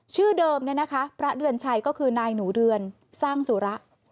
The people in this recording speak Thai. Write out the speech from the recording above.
ชื่อเดิมเนี่ยนะคะพระเดือนชัยก็คือนายหนูเดือนสร้างสุระ